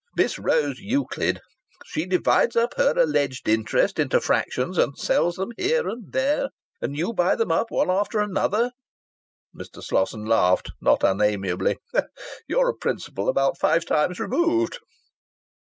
"Miss Rose Euclid. She divides up her alleged interest into fractions, and sells them here and there, and you buy them up one after another." Mr. Slosson laughed, not unamiably. "You're a principal about five times removed."